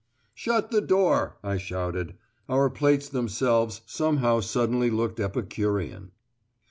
"Shut the door," I shouted. Our plates themselves somehow suddenly looked epicurean.